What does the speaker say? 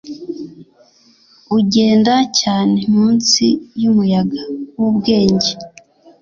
Ugenda cyane munsi yumuyaga wubwenge